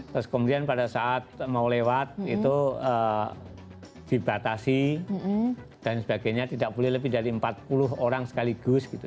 terus kemudian pada saat mau lewat itu dibatasi dan sebagainya tidak boleh lebih dari empat puluh orang sekaligus gitu